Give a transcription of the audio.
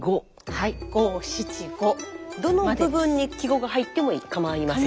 五七五どの部分に季語が入ってもかまいません。